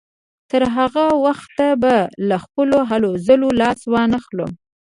تر هغه وخته به له خپلو هلو ځلو لاس وانهخلم.